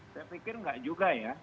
saya pikir nggak juga ya